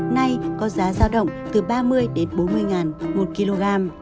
nay có giá giao động từ ba mươi đến bốn mươi ngàn một kg